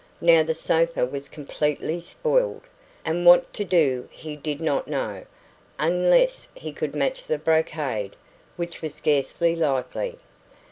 Now the sofa was completely spoiled, and what to do he did not know, unless he could match the brocade, which was scarcely likely.